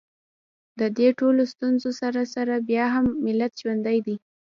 د دې ټولو ستونزو سره سره بیا هم ملت ژوندی دی